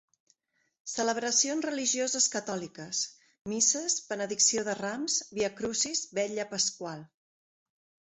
Celebracions religioses catòliques: misses, benedicció de rams, viacrucis, vetlla pasqual.